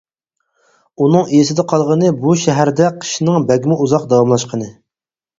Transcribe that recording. ئۇنىڭ ئېسىدە قالغىنى-بۇ شەھەردە قىشنىڭ بەكمۇ ئۇزاق داۋاملاشقىنى.